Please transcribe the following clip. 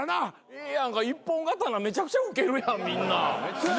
ええやんか一本刀めちゃくちゃウケるやんみんな。